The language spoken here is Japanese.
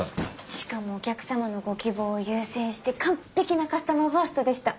しかもお客様のご希望を優先して完璧なカスタマーファーストでした。